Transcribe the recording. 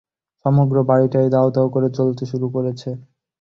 সমগ্র বাড়িটাই দাউদাউ করে জ্বলতে শুরু করেছে।